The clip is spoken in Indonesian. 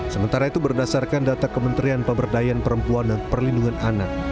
sementara itu berdasarkan data kementerian pemberdayaan perempuan dan perlindungan anak